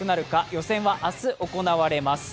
予選は明日行われます。